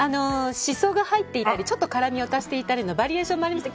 シソが入っていたりちょっと辛味を足していたりのバリエーションもあります。